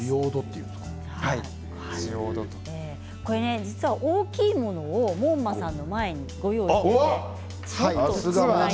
実はこれ大きいものを門馬さんの前にご用意しています。